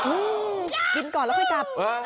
อืมกินก่อนแล้วค่อยกลับ